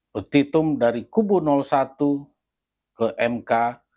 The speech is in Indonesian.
petitum dari kubu satu ke mk